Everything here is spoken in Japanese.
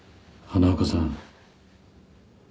花岡さん